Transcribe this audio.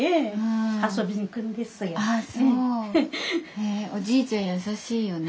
へぇおじいちゃんやさしいよね。